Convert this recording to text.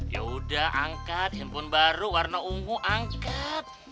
yaudah angkat handphone baru warna ungu angkat